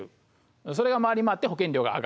それが回り回って保険料が上がると。